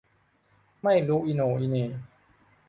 ไม่รู้อีโหน่อีเหน่